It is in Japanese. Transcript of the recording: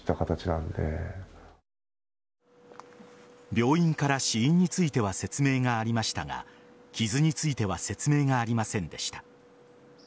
病院から死因については説明がありましたが傷については説明がありませんでした。